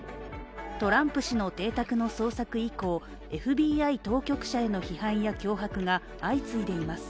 トランプ氏の邸宅の捜索以降ＦＢＩ当局者への批判や脅迫が相次いでいます。